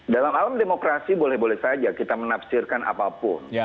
dalam alam demokrasi boleh boleh saja kita menafsirkan apapun